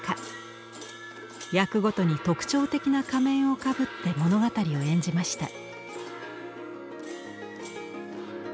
役ごとに特徴的な仮面をかぶって物語を演じました。